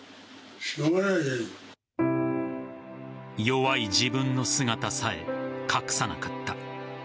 弱い自分の姿さえ隠さなかった。